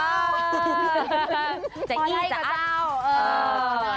พอให้กับเจ้า